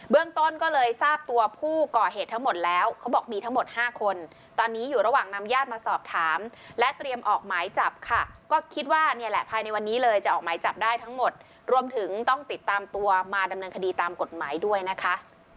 ต้นก็เลยทราบตัวผู้ก่อเหตุทั้งหมดแล้วเขาบอกมีทั้งหมด๕คนตอนนี้อยู่ระหว่างนำญาติมาสอบถามและเตรียมออกหมายจับค่ะก็คิดว่าเนี่ยแหละภายในวันนี้เลยจะออกหมายจับได้ทั้งหมดรวมถึงต้องติดตามตัวมาดำเนินคดีตามกฎหมายด้วยนะคะ